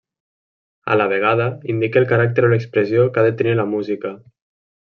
A la vegada indica el caràcter o l'expressió que ha de tenir la música.